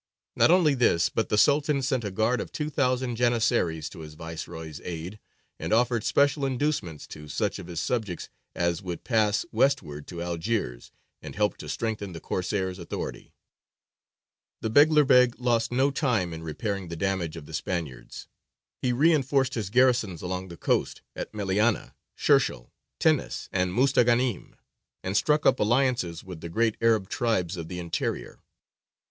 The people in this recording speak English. Not only this, but the Sultan sent a guard of two thousand Janissaries to his viceroy's aid, and offered special inducements to such of his subjects as would pass westward to Algiers and help to strengthen the Corsair's authority. [Illustration: OBSERVATION WITH THE CROSSBOW. (Jurien de la Gravière.)] The Beglerbeg lost no time in repairing the damage of the Spaniards. He reinforced his garrisons along the coast, at Meliana, Shershēl, Tinnis, and Mustaghānim, and struck up alliances with the great Arab tribes of the interior.